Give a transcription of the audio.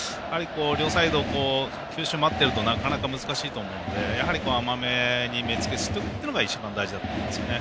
両サイド、球種を待っているとなかなか難しいので甘めに目付けしとくというのが一番大事だと思いますね。